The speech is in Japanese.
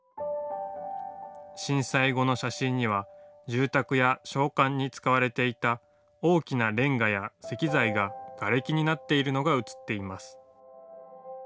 震災後の写真には住宅や商館に使われていた大きなレンガや石材が、がれきになっているのが写っています。